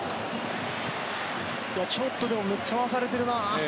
ちょっとむっちゃ回されてるな。